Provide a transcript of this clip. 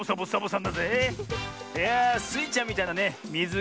いやあスイちゃんみたいなねみず